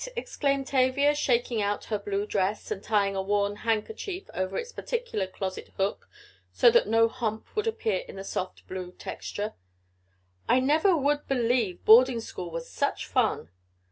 exclaimed Tavia, shaking out her blue dress, and tying a worn handkerchief over its particular closet hook so that no hump would appear in the soft blue texture. "I never would believe boarding school was such fun.